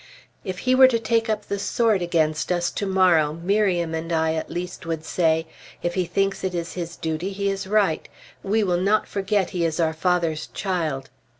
If he were to take up the sword against us to morrow, Miriam and I, at least, would say, "If he thinks it his duty, he is right; we will not forget he is our father's child."